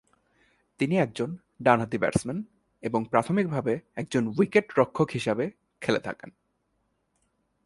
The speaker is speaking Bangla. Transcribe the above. তিনি একজন ডানহাতি ব্যাটসম্যান এবং প্রাথমিকভাবে একজন উইকেটরক্ষক হিসাবে খেলে থাকেন।